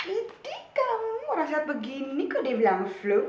ide kamu rasanya begini kok dia bilang flu